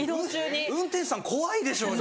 運転手さん怖いでしょうに。